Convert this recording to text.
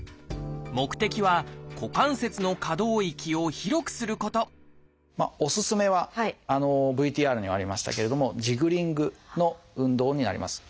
目的は股関節の可動域を広くすることおすすめはＶＴＲにありましたけれどもジグリングの運動になります。